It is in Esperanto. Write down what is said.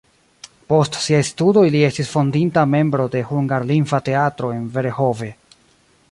Post siaj studoj li estis fondinta membro de hungarlingva teatro en Berehove.